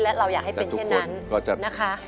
และเราอยากให้เป็นเช่นนั้นนะคะ